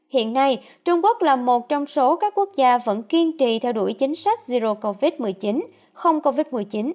hiện nay trung quốc là một trong số các quốc gia vẫn kiên trì theo đuổi chính sách zero covid một mươi chín không covid một mươi chín